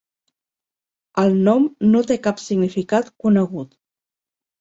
El nom no té cap significat conegut.